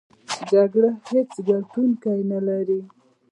جګړه هېڅ ګټوونکی نلري!